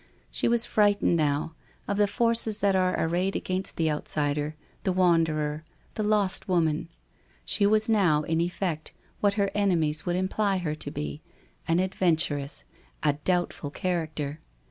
She was fright ened now, of the forces that are arrayed against the outsider, the wanderer, the lost woman. She was now, in effect, what her enemies would imply her to be, an ad venturess, a doubtful character.